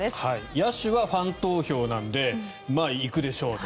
野手はファン投票なので行くでしょうと。